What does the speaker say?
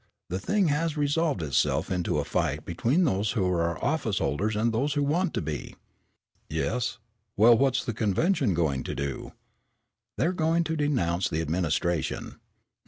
The thing has resolved itself into a fight between those who are office holders and those who want to be." "Yes, well what's the convention going to do?" "They're going to denounce the administration."